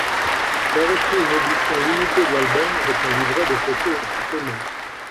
Sort aussi une édition limitée de l'album avec un livret de photos en supplément.